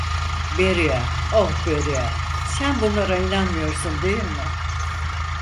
Beria, oh Beria, sen bunlara inanmıyorsun değil mi?